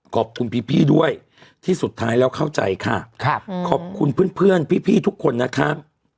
ขอบคุณพี่ด้วยที่สุดท้ายแล้วเข้าใจค่ะขอบคุณเพื่อนพี่ทุกคนนะครับ